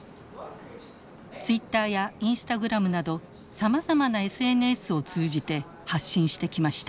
ツイッターやインスタグラムなどさまざまなＳＮＳを通じて発信してきました。